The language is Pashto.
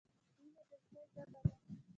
مینه د زړه ژبه ده.